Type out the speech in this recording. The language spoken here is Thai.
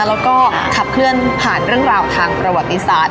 แล้วก็ขับเคลื่อนผ่านเรื่องราวทางประวัติศาสต